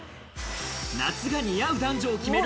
夏が似合う男女を決める